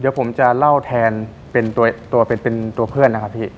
เดี๋ยวผมจะเล่าแทนเป็นตัวเป็นตัวเพื่อนนะครับพี่